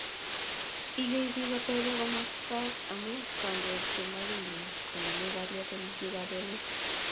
Iywei biik kotebee komasak amu kandioik che makwei kongeme kalyet eng bikaab emet